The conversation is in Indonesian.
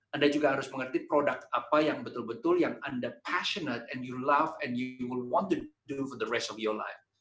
anda juga harus mengerti produk apa yang betul betul yang anda passionate and you love and you will want to do for the rest of your life